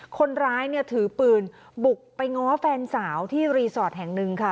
คนร้ายเนี่ยถือปืนบุกไปง้อแฟนสาวที่รีสอร์ทแห่งหนึ่งค่ะ